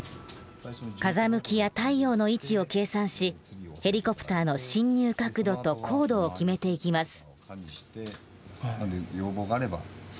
風向きや太陽の位置を計算しヘリコプターの進入角度と高度を決めていきます。